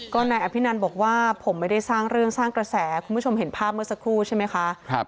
ก็นายอภินันบอกว่าผมไม่ได้สร้างเรื่องสร้างกระแสคุณผู้ชมเห็นภาพเมื่อสักครู่ใช่ไหมคะ